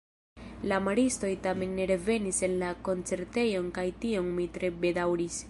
La maristoj tamen ne revenis en la koncertejon kaj tion mi tre bedaŭris.